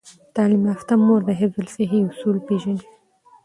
تعلیم یافته مور د حفظ الصحې اصول پیژني۔